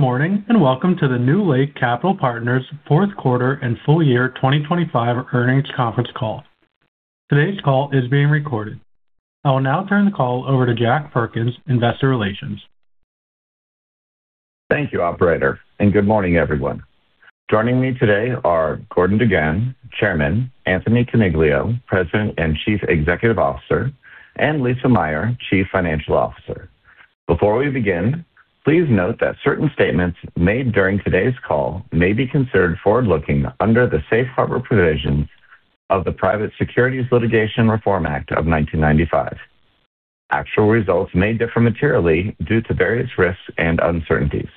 Good morning. Welcome to the NewLake Capital Partners fourth quarter and full year 2025 Earnings Conference Call. Today's call is being recorded. I will now turn the call over to Jack Perkins, Investor Relations. Thank you, operator. Good morning, everyone. Joining me today are Gordon DuGan, Chairman, Anthony Coniglio, President and Chief Executive Officer, and Lisa Meyer, Chief Financial Officer. Before we begin, please note that certain statements made during today's call may be considered forward-looking under the safe harbor provisions of the Private Securities Litigation Reform Act of 1995. Actual results may differ materially due to various risks and uncertainties.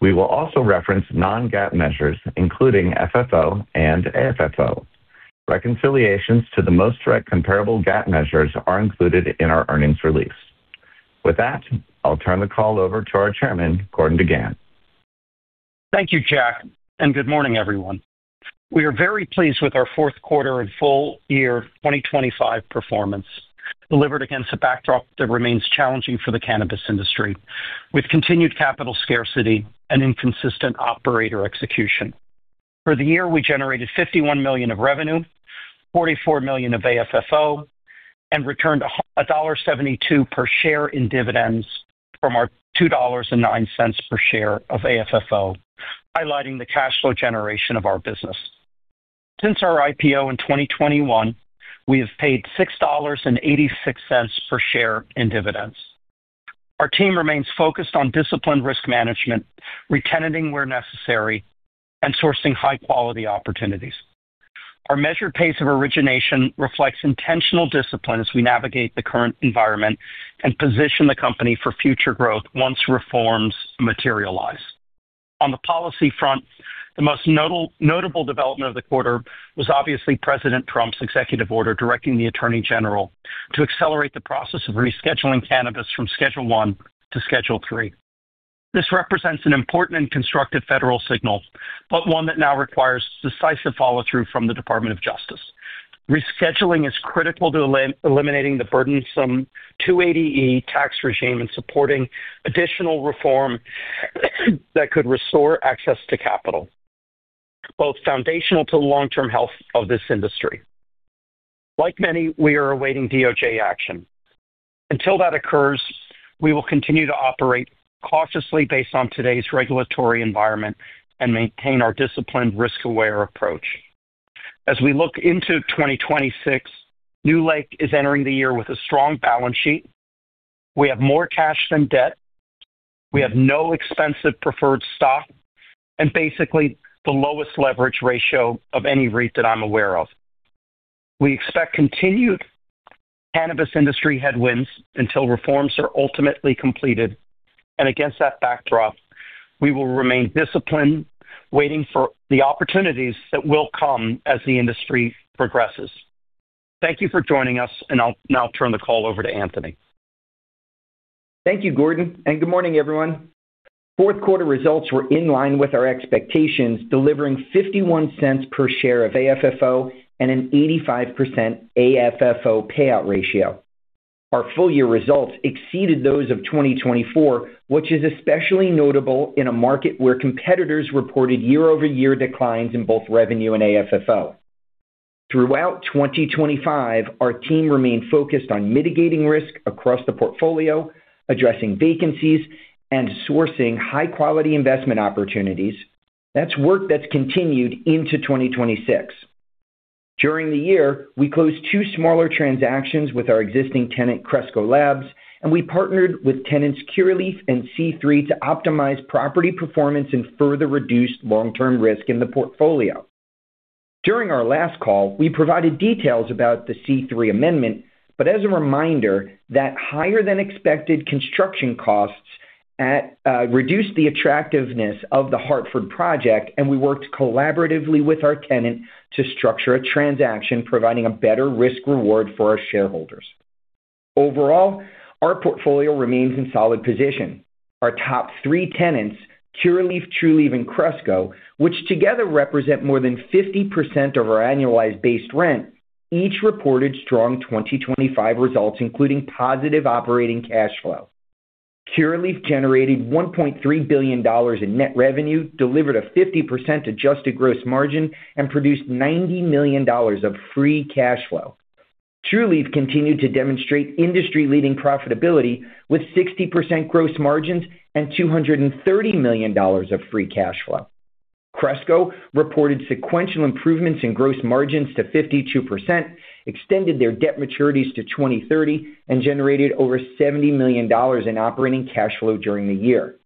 We will also reference non-GAAP measures, including FFO and AFFO. Reconciliations to the most direct comparable GAAP measures are included in our earnings release. With that, I'll turn the call over to our chairman, Gordon DuGan. Thank you, Jack, and good morning, everyone. We are very pleased with our fourth quarter and full year 2025 performance, delivered against a backdrop that remains challenging for the Cannabist industry, with continued capital scarcity and inconsistent operator execution. For the year, we generated $51 million of revenue, $44 million of AFFO, and returned $1.72 per share in dividends from our $2.09 per share of AFFO, highlighting the cash flow generation of our business. Since our IPO in 2021, we have paid $6.86 per share in dividends. Our team remains focused on disciplined risk management, re-tenanting where necessary, and sourcing high-quality opportunities. Our measured pace of origination reflects intentional discipline as we navigate the current environment and position the company for future growth once reforms materialize. On the policy front, the most notable development of the quarter was obviously President Trump's executive order directing the Attorney General to accelerate the process of rescheduling Cannabist from Schedule I to Schedule III. This represents an important and constructive federal signal, but one that now requires decisive follow-through from the Department of Justice. Rescheduling is critical to eliminating the burdensome Section 280E tax regime and supporting additional reform that could restore access to capital, both foundational to long-term health of this industry. Like many, we are awaiting DOJ action. Until that occurs, we will continue to operate cautiously based on today's regulatory environment and maintain our disciplined risk-aware approach. As we look into 2026, NewLake is entering the year with a strong balance sheet. We have more cash than debt. We have no expensive preferred stock and basically the lowest leverage ratio of any REIT that I'm aware of. We expect continued Cannabist industry headwinds until reforms are ultimately completed. Against that backdrop, we will remain disciplined, waiting for the opportunities that will come as the industry progresses. Thank you for joining us, and I'll now turn the call over to Anthony. Thank you, Gordon. Good morning, everyone. Fourth quarter results were in line with our expectations, delivering $0.51 per share of AFFO and an 85% AFFO payout ratio. Our full-year results exceeded those of 2024, which is especially notable in a market where competitors reported year-over-year declines in both revenue and AFFO. Throughout 2025, our team remained focused on mitigating risk across the portfolio, addressing vacancies, and sourcing high-quality investment opportunities. That's work that's continued into 2026. During the year, we closed two smaller transactions with our existing tenant, Cresco Labs, and we partnered with tenants Curaleaf and C3 to optimize property performance and further reduce long-term risk in the portfolio. During our last call, we provided details about the C3 amendment, but as a reminder that higher than expected construction costs reduced the attractiveness of the Hartford project, and we worked collaboratively with our tenant to structure a transaction providing a better risk reward for our shareholders. Overall, our portfolio remains in solid position. Our top three tenants, Curaleaf, Trulieve, and Cresco, which together represent more than 50% of our annualized based rent, each reported strong 2025 results, including positive operating cash flow. Curaleaf generated $1.3 billion in net revenue, delivered a 50% adjusted gross margin, and produced $90 million of free cash flow. Trulieve continued to demonstrate industry-leading profitability with 60% gross margins and $230 million of free cash flow. Cresco reported sequential improvements in gross margins to 52%, extended their debt maturities to 2030, and generated over $70 million in operating cash flow during the year.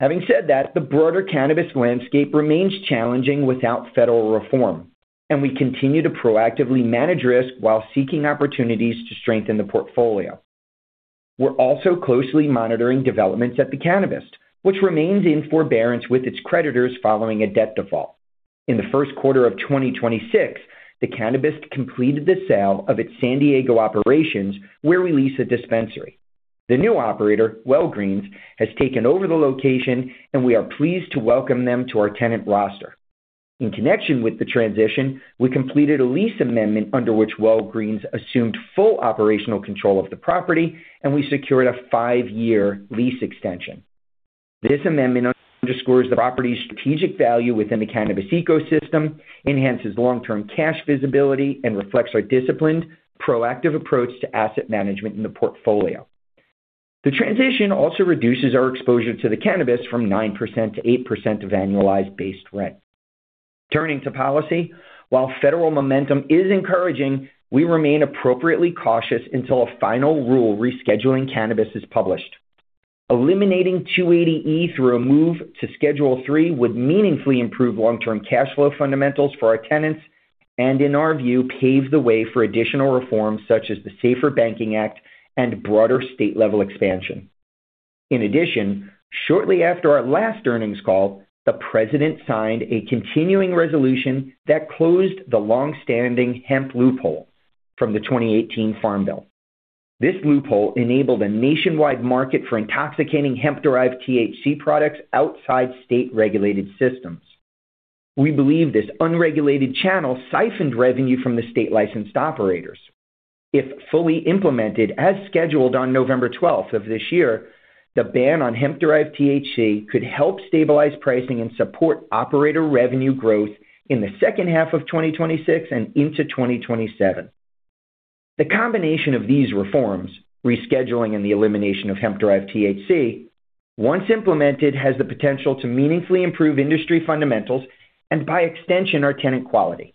Having said that, the broader Cannabist landscape remains challenging without federal reform, and we continue to proactively manage risk while seeking opportunities to strengthen the portfolio. We're also closely monitoring developments at The Cannabist, which remains in forbearance with its creditors following a debt default. In the first quarter of 2026, The Cannabist completed the sale of its San Diego operations, where we lease a dispensary. The new operator, Walgreens, has taken over the location, and we are pleased to welcome them to our tenant roster. In connection with the transition, we completed a lease amendment under which Walgreens assumed full operational control of the property, and we secured a five-year lease extension. This amendment underscores the property's strategic value within the Cannabist ecosystem, enhances long-term cash visibility, and reflects our disciplined, proactive approach to asset management in the portfolio. The transition also reduces our exposure to the Cannabist from 9%-8% of annualized based rent. Turning to policy, while federal momentum is encouraging, we remain appropriately cautious until a final rule rescheduling Cannabist is published. Eliminating 280E through a move to Schedule III would meaningfully improve long-term cash flow fundamentals for our tenants and, in our view, pave the way for additional reforms such as the SAFER Banking Act and broader state-level expansion. In addition, shortly after our last earnings call, the president signed a continuing resolution that closed the long-standing hemp loophole from the 2018 Farm Bill. This loophole enabled a nationwide market for intoxicating hemp-derived THC products outside state-regulated systems. We believe this unregulated channel siphoned revenue from the state-licensed operators. If fully implemented as scheduled on November 12th of this year, the ban on hemp-derived THC could help stabilize pricing and support operator revenue growth in the second half of 2026 and into 2027. The combination of these reforms, rescheduling and the elimination of hemp-derived THC, once implemented, has the potential to meaningfully improve industry fundamentals and by extension, our tenant quality.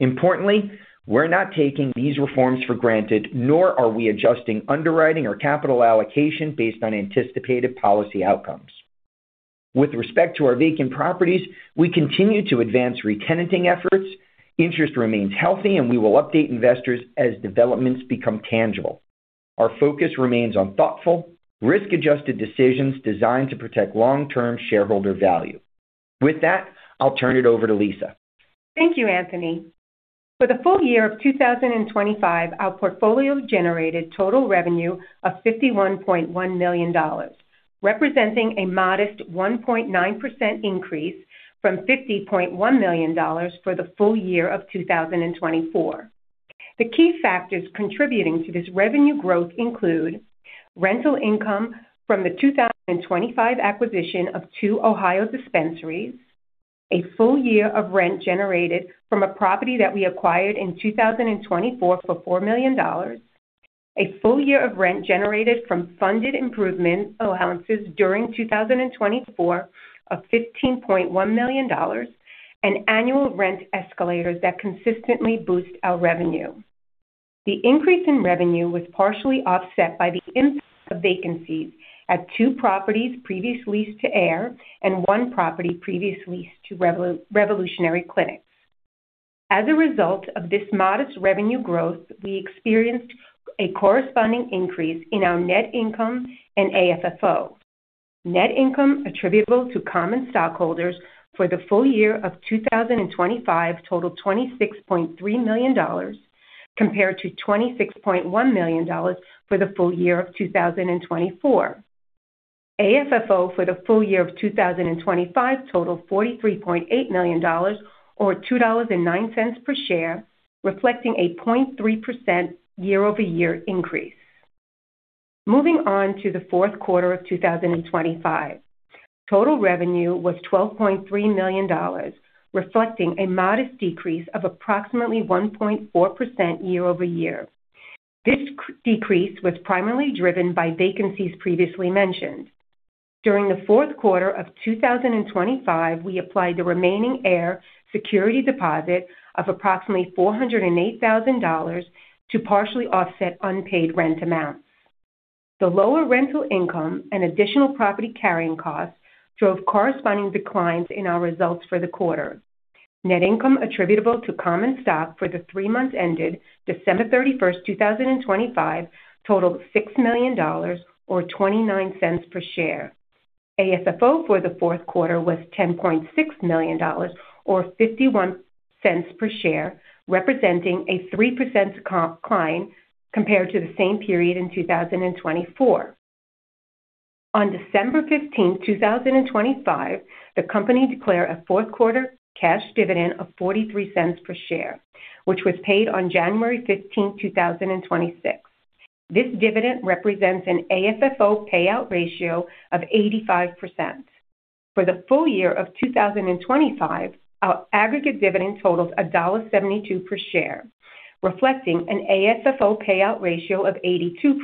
Importantly, we're not taking these reforms for granted, nor are we adjusting underwriting or capital allocation based on anticipated policy outcomes. With respect to our vacant properties, we continue to advance retenanting efforts. Interest remains healthy, and we will update investors as developments become tangible. Our focus remains on thoughtful, risk-adjusted decisions designed to protect long-term shareholder value. With that, I'll turn it over to Lisa. Thank you, Anthony. For the full year of 2025, our portfolio generated total revenue of $51.1 million, representing a modest 1.9% increase from $50.1 million for the full year of 2024. The key factors contributing to this revenue growth include rental income from the 2025 acquisition of two Ohio dispensaries, a full year of rent generated from a property that we acquired in 2024 for $4 million, a full year of rent generated from funded improvement allowances during 2024 of $15.1 million, and annual rent escalators that consistently boost our revenue. The increase in revenue was partially offset by the impact of vacancies at two properties previously leased to Ayr and one property previously leased to Revolutionary Clinics. As a result of this modest revenue growth, we experienced a corresponding increase in our net income and AFFO. Net income attributable to common stockholders for the full year of 2025 totaled $26.3 million compared to $26.1 million for the full year of 2024. AFFO for the full year of 2025 totaled $43.8 million or $2.09 per share, reflecting a 0.3% year-over-year increase. Moving on to the fourth quarter of 2025. Total revenue was $12.3 million, reflecting a modest decrease of approximately 1.4% year-over-year. This decrease was primarily driven by vacancies previously mentioned. During the fourth quarter of 2025, we applied the remaining Ayr security deposit of approximately $408,000 to partially offset unpaid rent amounts. The lower rental income and additional property carrying costs drove corresponding declines in our results for the quarter. Net income attributable to common stock for the three months ended December 31st, 2025 totaled $6 million or $0.29 per share. AFFO for the fourth quarter was $10.6 million or $0.51 per share, representing a 3% decline compared to the same period in 2024. On December 15th, 2025, the company declared a fourth-quarter cash dividend of $0.43 per share, which was paid on January 15th, 2026. This dividend represents an AFFO payout ratio of 85%. For the full year of 2025, our aggregate dividend totals $1.72 per share, reflecting an AFFO payout ratio of 82%.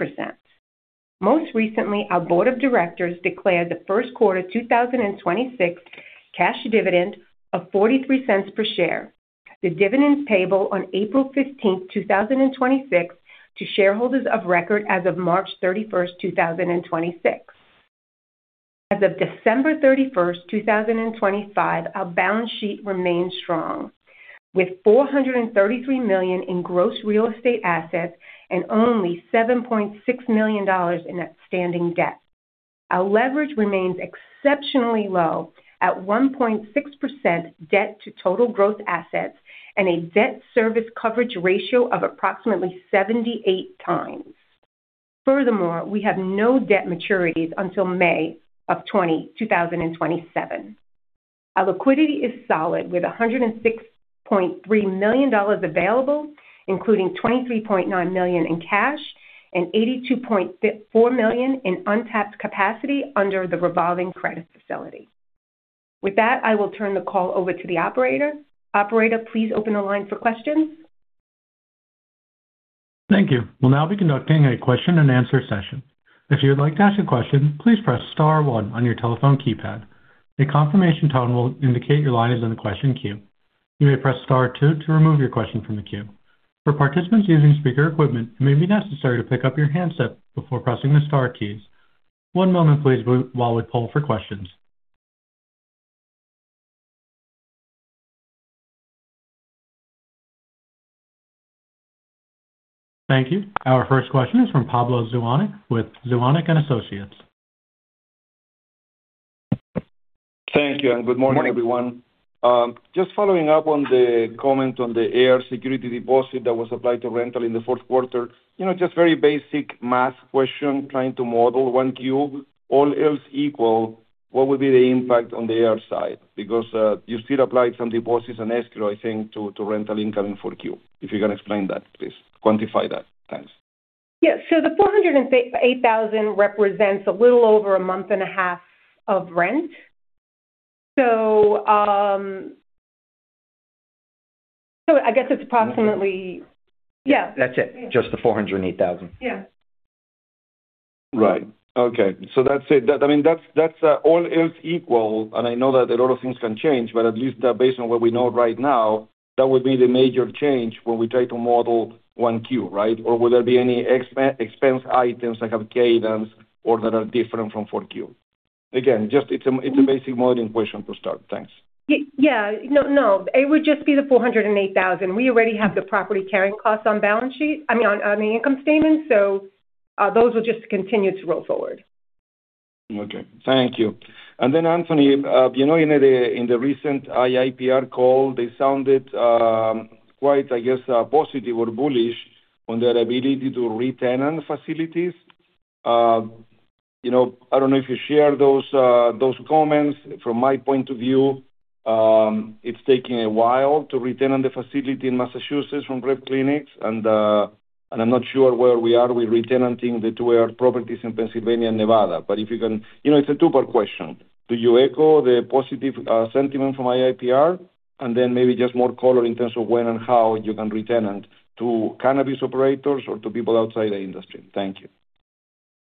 Most recently, our board of directors declared the first quarter 2026 cash dividend of $0.43 per share. The dividend is payable on April 15th, 2026 to shareholders of record as of March 31st, 2026. As of December 31st, 2025, our balance sheet remains strong, with $433 million in gross real estate assets and only $7.6 million in outstanding debt. Our leverage remains exceptionally low at 1.6% debt to total gross assets and a debt service coverage ratio of approximately 78 times. We have no debt maturities until May of 2027. Our liquidity is solid with $106.3 million available, including $23.9 million in cash and $82.4 million in untapped capacity under the revolving credit facility. With that, I will turn the call over to the operator. Operator, please open the line for questions. Thank you. We'll now be conducting a question and answer session. If you would like to ask a question, please press star one on your telephone keypad. A confirmation tone will indicate your line is in the question queue. You may press star two to remove your question from the queue. For participants using speaker equipment, it may be necessary to pick up your handset before pressing the star keys. One moment please while we poll for questions. Thank you. Our first question is from Pablo Zuanic with Zuanic & Associates. Thank you and good morning, everyone. Just following up on the comment on the Ayr security deposit that was applied to rental in the fourth quarter. You know, just very basic math question, trying to model 1Q. All else equal, what would be the impact on the Ayr side? Because, you still applied some deposits in escrow, I think, to rental income in 4Q. If you can explain that, please. Quantify that. Thanks. Yeah. The $408,000 represents a little over a month and a half of rent. I guess it's approximately. Yeah. That's it. Just the $408,000. Yeah. Okay. That's it. That, I mean, that's all else equal, and I know that a lot of things can change, but at least, based on what we know right now, that would be the major change when we try to model 1Q, right? Will there be any expense items that have cadence or that are different from 4Q? Again, just it's a, it's a basic modeling question to start. Thanks. Yeah. No, it would just be the $408,000. We already have the property carrying costs on balance sheet, I mean, on the income statement, those will just continue to roll forward. Okay. Thank you. Anthony, you know, in the recent IIPR call, they sounded quite, I guess, positive or bullish on their ability to re-tenant facilities. You know, I don't know if you share those comments. From my point of view, it's taking a while to re-tenant the facility in Massachusetts from Rev Clinics. I'm not sure where we are with re-tenanting the two Ayr properties in Pennsylvania and Nevada. You know, it's a two part question. Do you echo the positive sentiment from IIPR? Then maybe just more color in terms of when and how you can re-tenant to Cannabist operators or to people outside the industry. Thank you.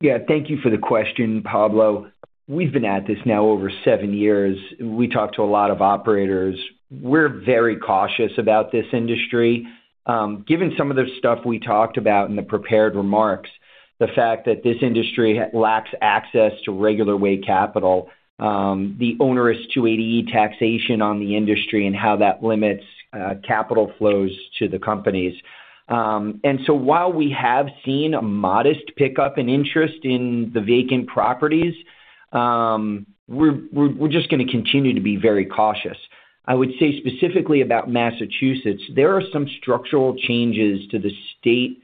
Yeah. Thank you for the question, Pablo. We've been at this now over seven years. We talk to a lot of operators. We're very cautious about this industry. Given some of the stuff we talked about in the prepared remarks, the fact that this industry lacks access to regular way capital, the onerous Section 280E taxation on the industry and how that limits capital flows to the companies. While we have seen a modest pickup in interest in the vacant properties, we're just gonna continue to be very cautious. I would say specifically about Massachusetts, there are some structural changes to the state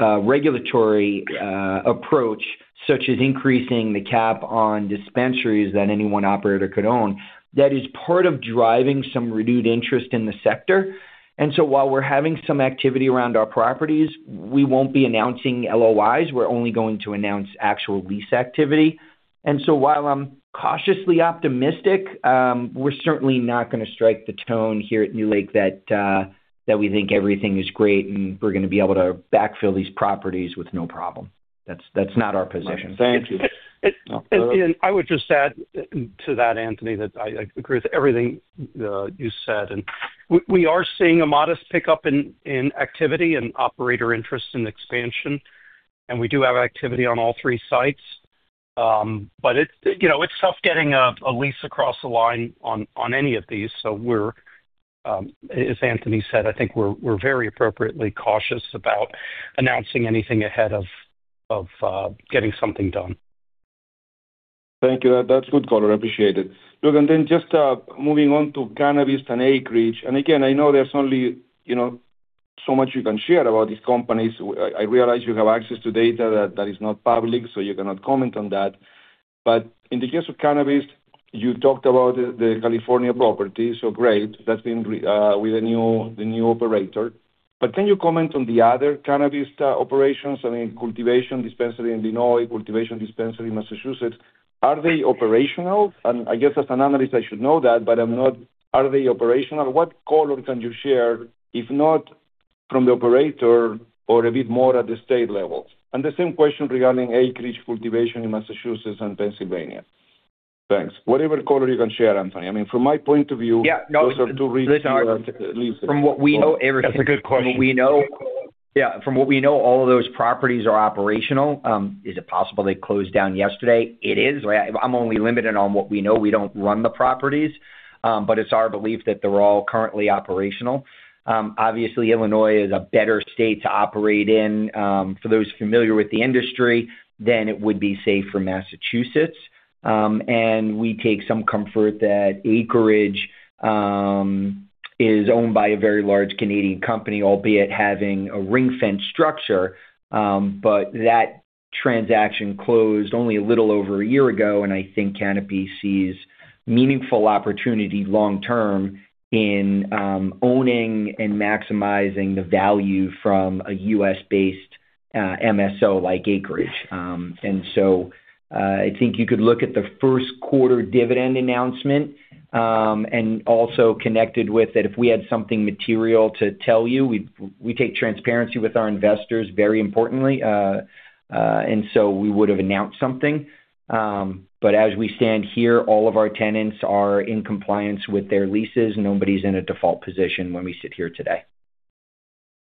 regulatory approach, such as increasing the cap on dispensaries that any one operator could own. That is part of driving some renewed interest in the sector. While we're having some activity around our properties, we won't be announcing LOIs. We're only going to announce actual lease activity. While I'm cautiously optimistic, we're certainly not gonna strike the tone here at NewLake that we think everything is great and we're gonna be able to backfill these properties with no problem. That's not our position. Thank you. It-It- Oh, go ahead. I would just add to that, Anthony, that I agree with everything, you said. We, we are seeing a modest pickup in activity and operator interest in expansion. We do have activity on all three sites. It's, you know, it's tough getting a lease across the line on any of these. We're, as Anthony said, I think we're very appropriately cautious about announcing anything ahead of getting something done. Thank you. That's good color. I appreciate it. Look, then just moving on to Cannabist and Acreage, again, I know there's only, you know, so much you can share about these companies. I realize you have access to data that is not public, so you cannot comment on that. In the case of Cannabist, you talked about the California property, so great. That's been with the new operator. Can you comment on the other Cannabist operations? I mean, cultivation dispensary in Illinois, cultivation dispensary in Massachusetts. Are they operational? I guess as an analyst, I should know that, but I'm not. Are they operational? What color can you share, if not from the operator or a bit more at the state level? The same question regarding Acreage cultivation in Massachusetts and Pennsylvania. Thanks. Whatever color you can share, Anthony. I mean, from my point of view- Yeah, no. Those are two regions you have to at least From what we know. That's a good question. From what we know... Yeah. From what we know, all of those properties are operational. Is it possible they closed down yesterday? It is. I'm only limited on what we know. We don't run the properties. It's our belief that they're all currently operational. Obviously, Illinois is a better state to operate in, for those familiar with the industry, than it would be, say, for Massachusetts. We take some comfort that Acreage is owned by a very large Canadian company, albeit having a ring-fence structure. That transaction closed only a little over a year ago, and I think Canopy sees meaningful opportunity long term in owning and maximizing the value from a U.S.-based MSO like Acreage. I think you could look at the first quarter dividend announcement, and also connected with that, if we had something material to tell you, we take transparency with our investors very importantly, and so we would have announced something. As we stand here, all of our tenants are in compliance with their leases. Nobody's in a default position when we sit here today.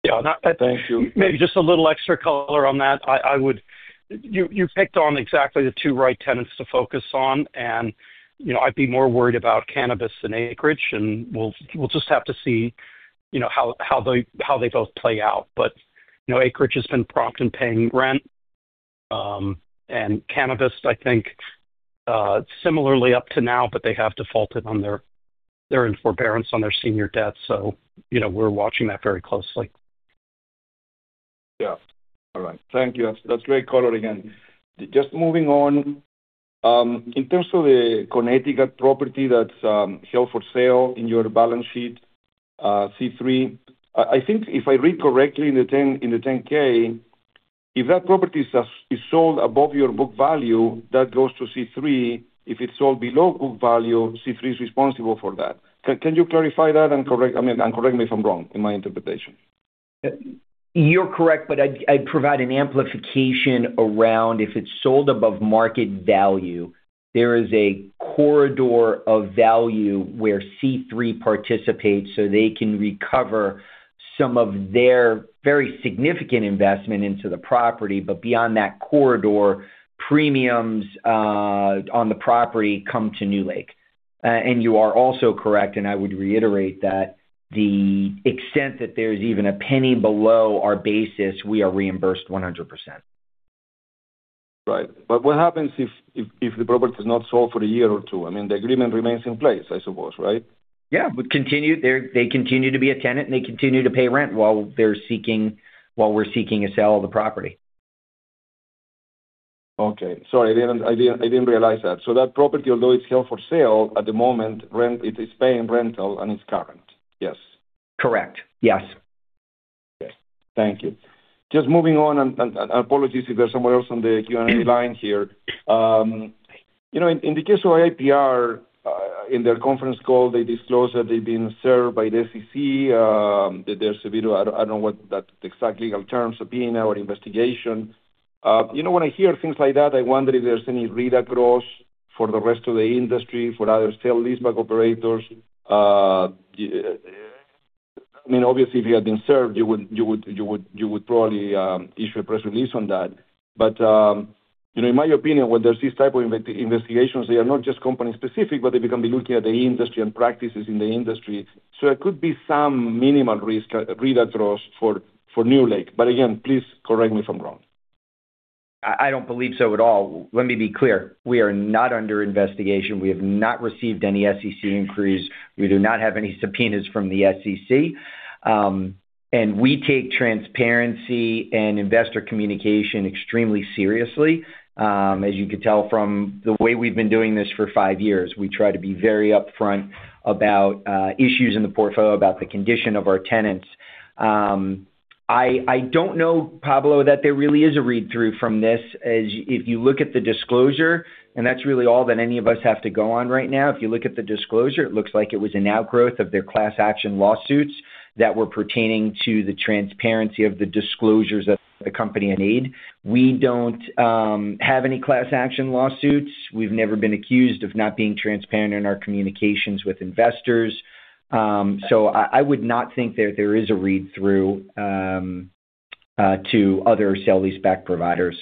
Yeah. Thank you. Maybe just a little extra color on that. I would. You picked on exactly the two right tenants to focus on. You know, I'd be more worried about Cannabist and Acreage. We'll just have to see, you know, how they both play out. You know, Acreage has been prompt in paying rent, and Cannabist, I think, similarly up to now. They have defaulted. They're in forbearance on their senior debt. You know, we're watching that very closely. Yeah. All right. Thank you. That's, that's great color again. Just moving on, in terms of the Connecticut property that's held for sale in your balance sheet, C3, I think if I read correctly in the 10-K, if that property is sold above your book value, that goes to C3. If it's sold below book value, C3 is responsible for that. Can you clarify that and I mean, and correct me if I'm wrong in my interpretation? You're correct, I'd provide an amplification around if it's sold above market value, there is a corridor of value where C3 participates, so they can recover some of their very significant investment into the property, but beyond that corridor, premiums on the property come to NewLake. You are also correct, and I would reiterate that the extent that there's even $0.01 below our basis, we are reimbursed 100%. Right. What happens if, if the property is not sold for a year or two? I mean, the agreement remains in place, I suppose, right? Yeah. They continue to be a tenant, and they continue to pay rent while we're seeking a sale of the property. Okay. Sorry, I didn't realize that. That property, although it's held for sale at the moment, it is paying rental and it's current? Yes. Correct. Yes. Okay. Thank you. Just moving on and apologies if there's someone else on the Q&A line here. you know, in the case of IIPR, in their conference call, they disclosed that they've been served by the SEC, that there's a video. I don't know what that exact legal terms are being or investigation. you know, when I hear things like that, I wonder if there's any read-across for the rest of the industry, for other sale-leaseback operators. I mean, obviously, if you had been served, you would probably issue a press release on that. you know, in my opinion, when there's these type of investigations, they are not just company specific, but they can be looking at the industry and practices in the industry. There could be some minimal risk, read-across for NewLake. Again, please correct me if I'm wrong. I don't believe so at all. Let me be clear. We are not under investigation. We have not received any SEC inquiries. We do not have any subpoenas from the SEC. We take transparency and investor communication extremely seriously, as you could tell from the way we've been doing this for five years. We try to be very upfront about issues in the portfolio, about the condition of our tenants. I don't know, Pablo, that there really is a read-through from this. If you look at the disclosure, and that's really all that any of us have to go on right now. If you look at the disclosure, it looks like it was an outgrowth of their class action lawsuits that were pertaining to the transparency of the disclosures of the company in need. We don't have any class action lawsuits. We've never been accused of not being transparent in our communications with investors. I would not think that there is a read-through to other sale-leaseback providers.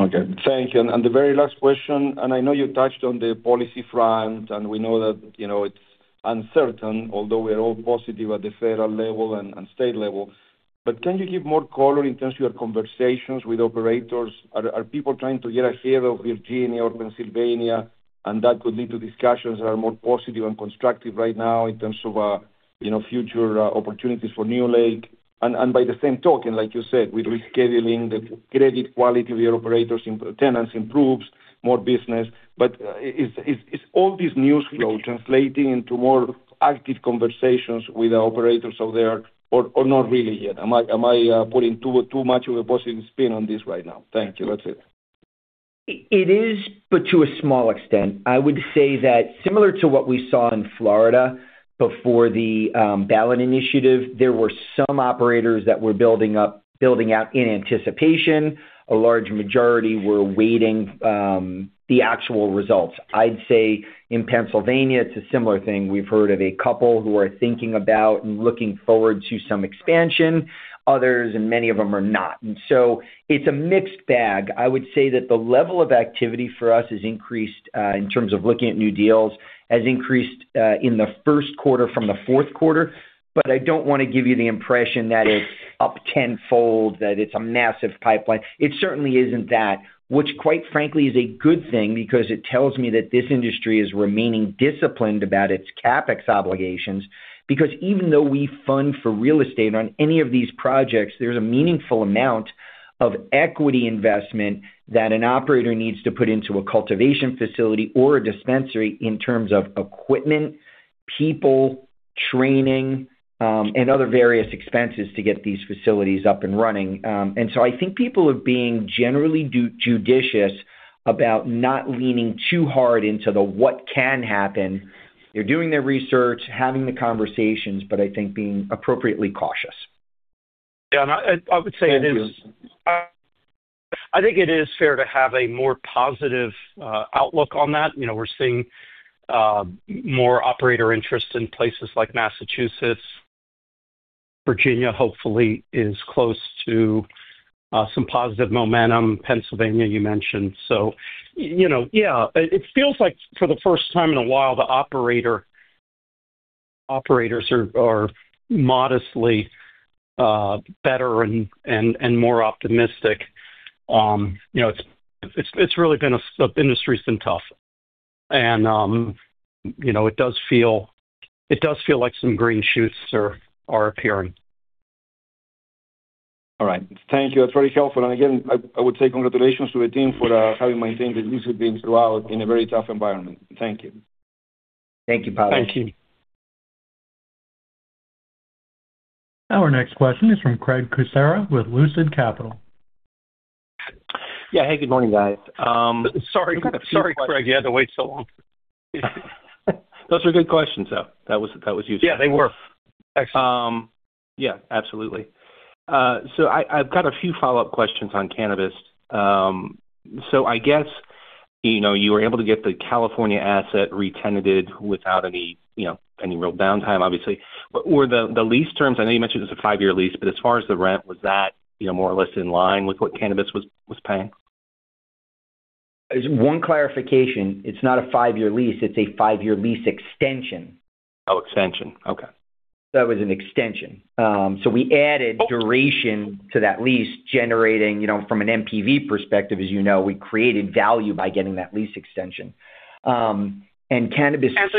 Okay. Thank you. The very last question, I know you touched on the policy front, we know that, you know, it's uncertain, although we're all positive at the federal level and state level. Can you give more color in terms of your conversations with operators? Are people trying to get ahead of Virginia or Pennsylvania, and that could lead to discussions that are more positive and constructive right now in terms of, you know, future opportunities for NewLake? And by the same token, like you said, with rescheduling the credit quality of your operators tenants improves more business. Is all this news flow translating into more active conversations with the operators out there or not really yet? Am I putting too much of a positive spin on this right now? Thank you. That's it. It is, but to a small extent. I would say that similar to what we saw in Florida before the ballot initiative, there were some operators that were building out in anticipation. A large majority were awaiting the actual results. I'd say in Pennsylvania, it's a similar thing. We've heard of a couple who are thinking about and looking forward to some expansion. Others, and many of them are not. So it's a mixed bag. I would say that the level of activity for us has increased in terms of looking at new deals, has increased in the first quarter from the fourth quarter. I don't wanna give you the impression that it's up tenfold, that it's a massive pipeline. It certainly isn't that. Quite frankly, is a good thing because it tells me that this industry is remaining disciplined about its CapEx obligations. Even though we fund for real estate on any of these projects, there's a meaningful amount of equity investment that an operator needs to put into a cultivation facility or a dispensary in terms of equipment, people, training, and other various expenses to get these facilities up and running. I think people are being generally judicious about not leaning too hard into the what can happen. They're doing their research, having the conversations, but I think being appropriately cautious. Yeah. I would say I think it is fair to have a more positive outlook on that. You know, we're seeing more operator interest in places like Massachusetts. Virginia, hopefully is close to some positive momentum. Pennsylvania, you mentioned. You know, yeah, it feels like for the first time in a while, the operators are modestly better and more optimistic. You know, it's really been the industry's been tough. You know, it does feel like some green shoots are appearing. All right. Thank you. That's very helpful. Again, I would say congratulations to the team for having maintained the DCF throughout in a very tough environment. Thank you. Thank you, Pablo. Thank you. Our next question is from Craig Kucera with Lucid Capital. Yeah. Hey, good morning, guys. Sorry, Craig. You had to wait so long. Those were good questions, though. That was, that was useful. Yeah, they were. Excellent. Yeah, absolutely. I've got a few follow-up questions on Cannabist. I guess, you know, you were able to get the California asset re-tenanted without any, you know, any real downtime, obviously. Were the lease terms... I know you mentioned it's a five-year lease, but as far as the rent, was that, you know, more or less in line with what Cannabist was paying? One clarification. It's not a five-year lease, it's a five-year lease extension. Oh, extension. Okay. That was an extension. We added duration to that lease, generating, you know, from an NPV perspective, as you know, we created value by getting that lease extension. Anthony,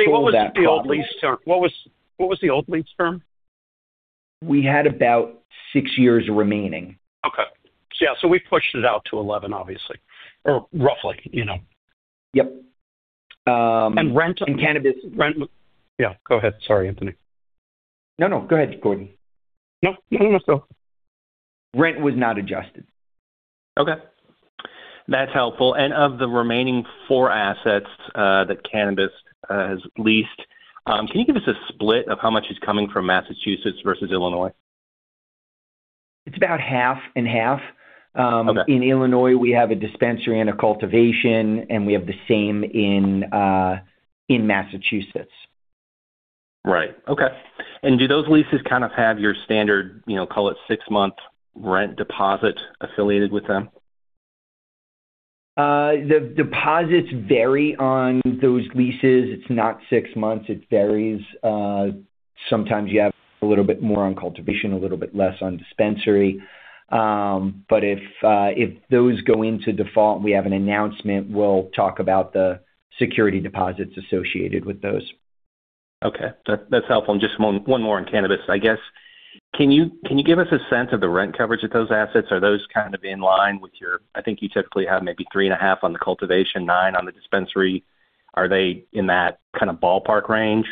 what was the old lease term? What was the old lease term? We had about six years remaining. Okay. Yeah, we pushed it out to 11, obviously, or roughly, you know. Yep. And rent- Cannabist- Rent. Yeah, go ahead. Sorry, Anthony. No, no. Go ahead, Gordon. No, no. Go. Rent was not adjusted. Okay. That's helpful. Of the remaining four assets, that Cannabist has leased, can you give us a split of how much is coming from Massachusetts versus Illinois? It's about 50/50. Okay. In Illinois, we have a dispensary and a cultivation, and we have the same in Massachusetts. Right. Okay. Do those leases kind of have your standard, you know, call it six-month rent deposit affiliated with them? The deposits vary on those leases. It's not six months, it varies. Sometimes you have a little bit more on cultivation, a little bit less on dispensary. If those go into default and we have an announcement, we'll talk about the security deposits associated with those. Okay. That's helpful. Just one more on Cannabist. I guess, can you give us a sense of the rent coverage of those assets? Are those kind of in line with your... I think you typically have maybe 3.5 on the cultivation, nine on the dispensary. Are they in that kind of ballpark range?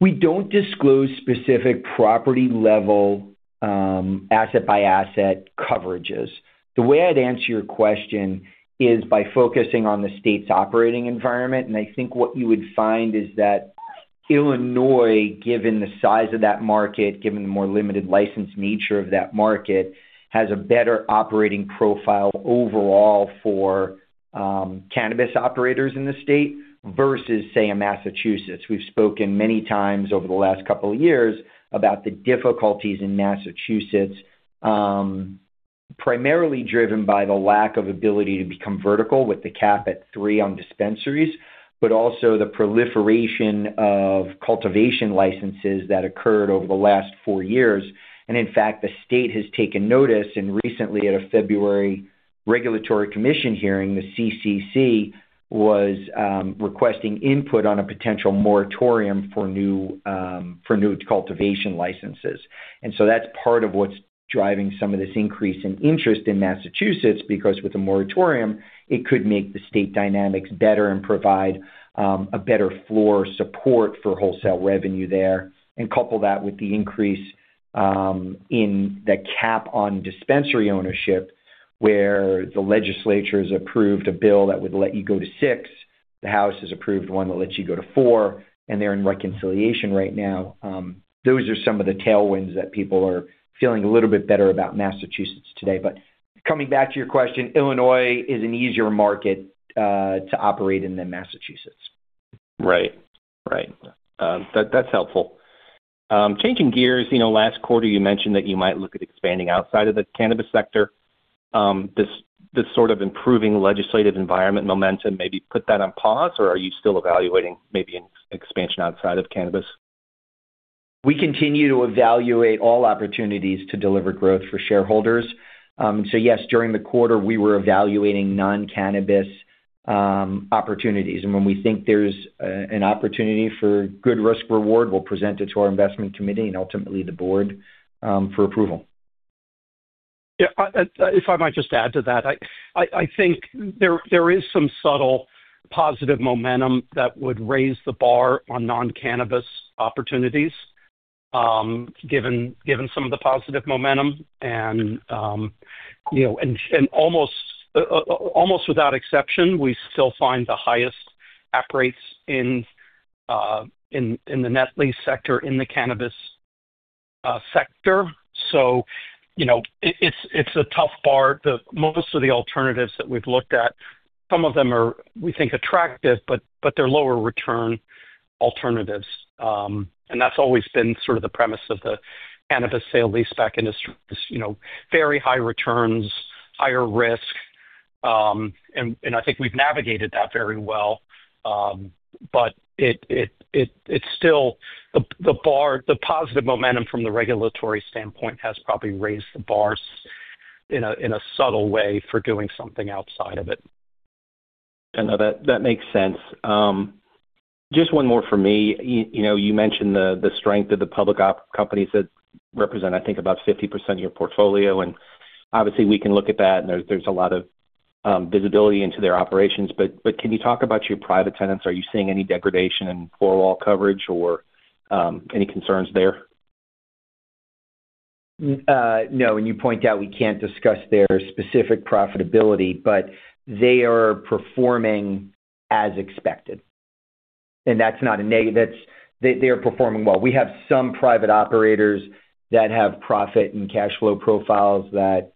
We don't disclose specific property-level, asset-by-asset coverages. The way I'd answer your question is by focusing on the state's operating environment. I think what you would find is that Illinois, given the size of that market, given the more limited license nature of that market, has a better operating profile overall for Cannabist operators in the state versus, say, a Massachusetts. We've spoken many times over the last couple of years about the difficulties in Massachusetts, primarily driven by the lack of ability to become vertical with the cap at three on dispensaries, but also the proliferation of cultivation licenses that occurred over the last four years. In fact, the state has taken notice, and recently at a February regulatory commission hearing, the CCC was requesting input on a potential moratorium for new cultivation licenses. That's part of what's driving some of this increase in interest in Massachusetts, because with the moratorium, it could make the state dynamics better and provide a better floor support for wholesale revenue there. Couple that with the increase in the cap on dispensary ownership, where the legislature has approved a bill that would let you go to six. The House has approved one that lets you go to four, and they're in reconciliation right now. Those are some of the tailwinds that people are feeling a little bit better about Massachusetts today. Coming back to your question, Illinois is an easier market to operate in than Massachusetts. Right. Right. That, that's helpful. Changing gears, you know, last quarter, you mentioned that you might look at expanding outside of the Cannabist sector. This, this sort of improving legislative environment momentum, maybe put that on pause, or are you still evaluating maybe an expansion outside of Cannabist? We continue to evaluate all opportunities to deliver growth for shareholders. Yes, during the quarter, we were evaluating non-Cannabist opportunities. When we think there's an opportunity for good risk reward, we'll present it to our investment committee and ultimately the board for approval. Yeah, if I might just add to that, I think there is some subtle positive momentum that would raise the bar on non-Cannabist opportunities, given some of the positive momentum and, you know, almost without exception, we still find the highest app rates in the net lease sector, in the Cannabist sector. You know, it's a tough bar. Most of the alternatives that we've looked at, some of them are, we think, attractive, but they're lower return alternatives. And that's always been sort of the premise of the Cannabist sale leaseback industry. You know, very high returns, higher risk. And I think we've navigated that very well. It, it's still the bar, the positive momentum from the regulatory standpoint has probably raised the bar in a, in a subtle way for doing something outside of it. I know, that makes sense. Just one more for me. You know, you mentioned the strength of the public companies that represent, I think, about 50% of your portfolio. Obviously we can look at that and there's a lot of visibility into their operations. Can you talk about your private tenants? Are you seeing any degradation in four wall coverage or any concerns there? No. You point out we can't discuss their specific profitability, but they are performing as expected. That's not a negative. They are performing well. We have some private operators that have profit and cash flow profiles that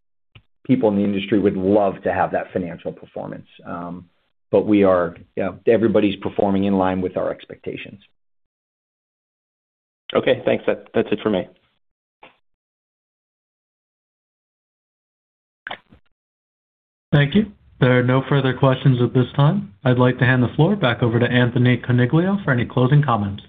people in the industry would love to have that financial performance. We are, you know, everybody's performing in line with our expectations. Okay, thanks. That's it for me. Thank you. There are no further questions at this time. I'd like to hand the floor back over to Anthony Coniglio for any closing comments.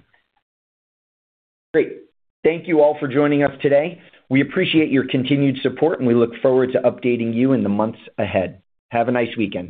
Great. Thank you all for joining us today. We appreciate your continued support, and we look forward to updating you in the months ahead. Have a nice weekend.